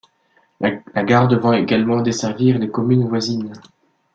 La gare devant également desservir les communes voisines.